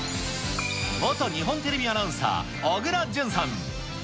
元日本テレビアナウンサー、小倉淳さん。